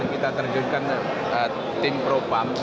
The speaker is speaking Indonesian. kita terjunkan tim propam